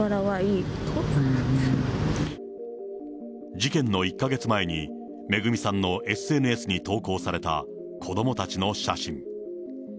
事件の１か月前に、恵さんのＳＮＳに投稿された子どもたちの写真。